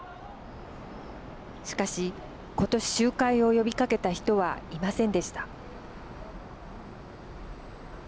しかし、ことし集会を呼びかけた人はいませんでした。